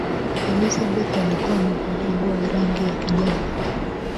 elizabeth alikuwa amevalia nguo ya rangi ya kijani